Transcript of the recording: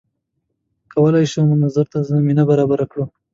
کولای شو منظور ته زمینه برابره کړي